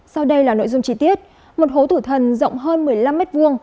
sau đây là nội dung chi tiết một hố thử thần rộng hơn một mươi năm mét vuông